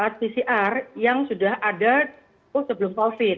alat pcr yang sudah ada sebelum covid